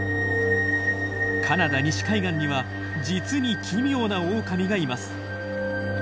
カナダ西海岸には実に奇妙なオオカミがいます。